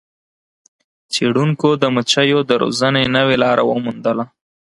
څیړونکو د مچیو د روزنې نوې لاره وموندله.